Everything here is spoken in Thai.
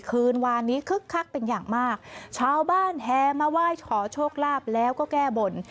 คืนวานนี้คึกคักเป็นอย่างมากชาวบ้านแฮมาไหว้ขอโชคลาภแล้วก็แก้บน